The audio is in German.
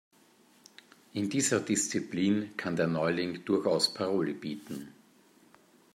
In dieser Disziplin kann der Neuling durchaus Paroli bieten.